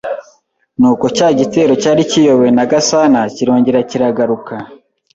ni uko cya gitero cyari kiyobowe na Gasana kirongera kiragaruka